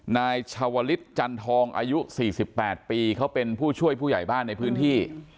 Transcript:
นายชาวลิศจันทองอายุ๔๘ปีเขาเป็นผู้ช่วยผู้ใหญ่บ้านในพื้นที่